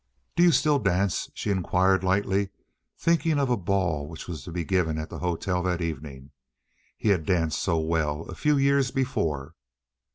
"Do you still dance?" she inquired lightly, thinking of a ball which was to be given at the hotel that evening. He had danced so well a few years before.